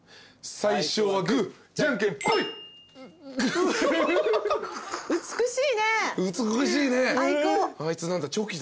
最初はグーじゃんけんぽい！